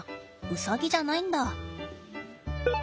ウサギじゃないんだ。